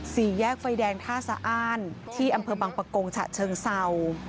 สี่แยกไฟแดงท่าสะอ้านที่อำเภอบังปะกงฉะเชิงเศร้า